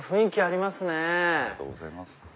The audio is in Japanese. ありがとうございます。